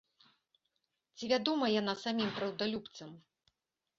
Ці вядомая яна самім праўдалюбцам?